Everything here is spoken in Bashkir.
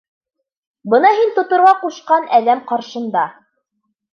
— Бына, һин тоторға ҡушҡан әҙәм ҡаршында.